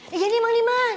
ya ini emang lima